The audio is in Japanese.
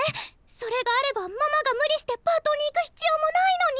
それがあればママが無理してパートに行く必要もないのに。